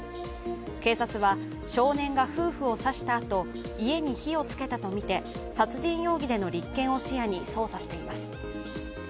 警察は、少年が夫婦を刺したあと家に火をつけたとみて殺人容疑での立件を視野に捜査しています。